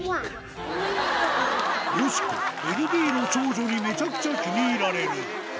よしこ、ベルギーの少女にめちゃくちゃ気に入られる。